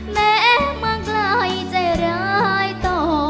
แม่มาใกล้จะร้ายต่อ